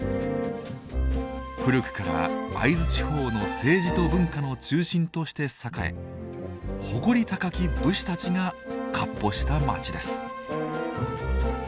古くから会津地方の政治と文化の中心として栄え誇り高き武士たちが闊歩した街です。